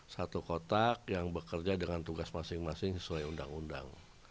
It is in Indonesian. satu kotak yang bekerja dengan tugas masing masing sesuai undang undang